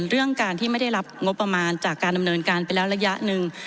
เรื่องการที่ไม่ได้รับงบประมาณจากการดำเนินการไปแล้วระยะหนึ่ง